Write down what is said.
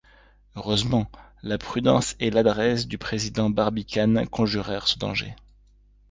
Heureusement la prudence et l’adresse du président Barbicane conjurèrent ce danger.